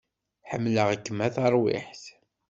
Ḥemmleɣ-kem a tarwiḥṭ